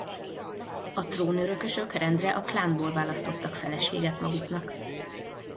A trónörökösök rendre a klánból választottak feleséget maguknak.